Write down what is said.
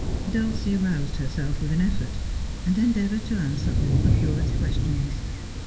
Dulcie roused herself with an effort, and endeavoured to answer all the curate's questions.